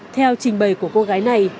theo trình bày của cô gái này